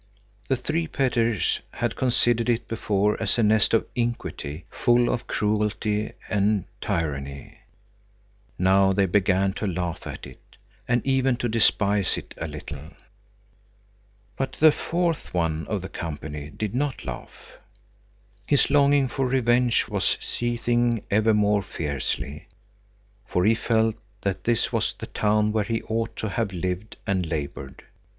The three Petters had considered it before as a nest of iniquity, full of cruelty and tyranny. Now they began to laugh at it, and even to despise it a little. But the fourth one of the company did not laugh. His longing for revenge was seething ever more fiercely, for he felt that this was the town where he ought to have lived and labored.